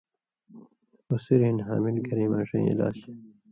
ہُسُریۡ ہِن حامل گھریۡ ماݜَیں علاج